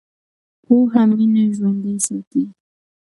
پوهه مینه ژوندۍ ساتي.